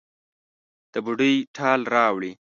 د بوډۍ ټال راوړي